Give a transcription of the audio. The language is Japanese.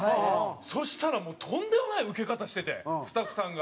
そしたらとんでもないウケ方しててスタッフさんが。